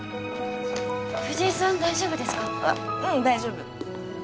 大丈夫。